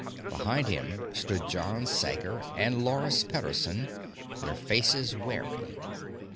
Behind him stood John Sager and Loris Pederson, their faces wary.